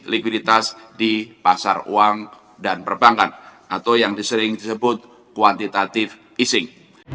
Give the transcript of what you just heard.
likuiditas di pasar uang dan perbankan atau yang sering disebut kuantitatif easing